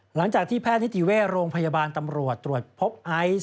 หลังจากที่แพทย์นิติเวชโรงพยาบาลตำรวจตรวจพบไอซ์